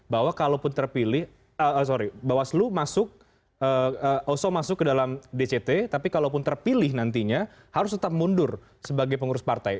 bahwa kalaupun terpilih sorry bawaslu masuk oso masuk ke dalam dct tapi kalaupun terpilih nantinya harus tetap mundur sebagai pengurus partai